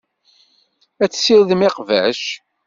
Ad ssirdent iqbac.